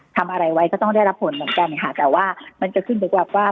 ทำอะไรไว้ก็ต้องได้รับผลเหมือนกันค่ะแต่ว่ามันจะขึ้นอยู่กับว่า